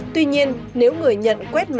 tuy nhiên nếu người nhận quét